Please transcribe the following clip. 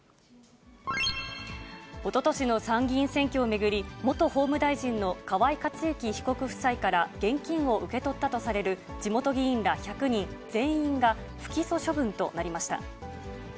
おととしの参議院選挙を巡り、元法務大臣の河井克行被告夫妻から現金を受け取ったとされる地元議員ら１００人全員が不起訴処分となりました。